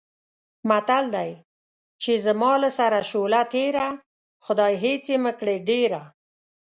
متل دی: چې زما له سره شوله تېره، خدایه هېڅ یې مه کړې ډېره.